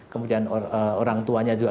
kemudian orang tuanya juga